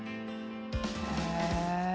へえ。